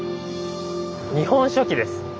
「日本書紀」です。